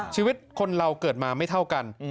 ชีวิตคนเราเกิดมาไม่เท่ากัน